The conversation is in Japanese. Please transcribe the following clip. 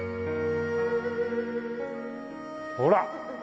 ほら！